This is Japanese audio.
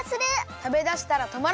たべだしたらとまらない！